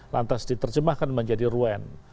lantas diterjemahkan menjadi ruen